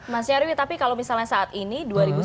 mas nyariwi tapi kalau misalnya saat ini